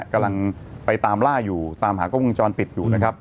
กำลังไปตามล่าอยู่ตามหากล้องวงจรปิดอยู่นะครับ